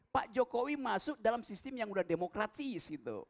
pak jokowi masuk dalam sistem yang sudah demokratis